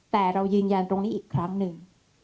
แต่เรายืนยันตรงนี้อีกครั้งหนึ่ง